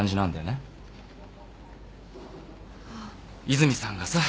和泉さんがさ